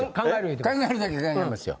考えるだけ考えますよ。